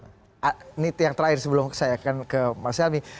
ini yang terakhir sebelum saya akan ke mas helmi